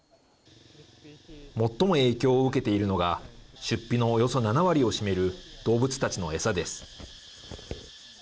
最も影響を受けているのが出費のおよそ７割を占める動物たちの餌です。